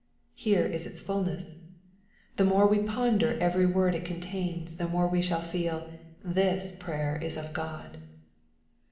Here is its fulness. — The more we ponder every word it contains, the more we shall feel, " this prayer is of God."